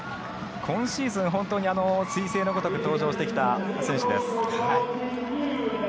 今シーズン、本当にすい星のごとく登場してきた選手です。